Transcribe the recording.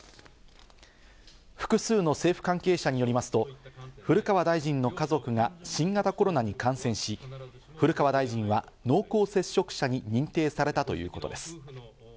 複数の政府関係者によりますと、古川大臣の家族が新型コロナに感染し、古川大臣は濃厚接触者に認定されたということです。